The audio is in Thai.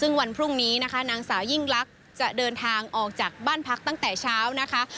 ซึ่งวันพรุ่งนี้นะคะนางสาวยิ่งลักษณ์จะเดินทางออกจากบ้านพักตั้งแต่เช้านะคะ